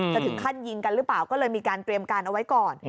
จะถึงขั้นยิงกันหรือเปล่าก็เลยมีการเตรียมการเอาไว้ก่อน